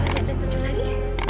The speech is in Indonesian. kita lihat baju lagi